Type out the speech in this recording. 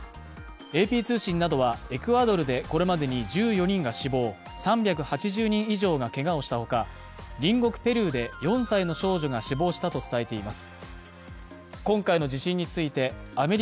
ＡＰ通信などは、エクアドルでこれまでに１４人が死亡、３８０人以上がけがをしたほか、隣国ペルーで４歳の少女が死亡したと伝えています。